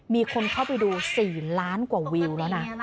มีคนเข้าไปดู๔ล้านกว่าวิวแล้วนะ